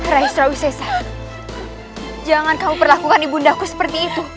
raih surawis sesa jangan kamu berlakukan ibu bundaku seperti itu